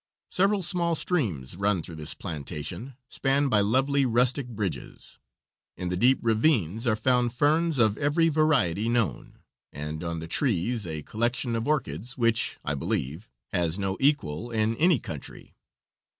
Several small streams run through this plantation, spanned by lovely rustic bridges. In the deep ravines are found ferns of every variety known, and on the trees a collection of orchids which, I believe, has no equal in any country.